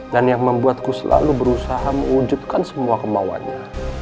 dan yang membuatku selalu berusaha mewujudkan semua kemauannya